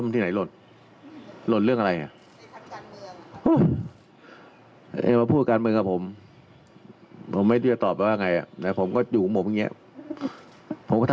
ทุกอย่างมันก็เป็นเขาเรียกอะไรมันไปตามกฎกฎิกากฎเกณฑ์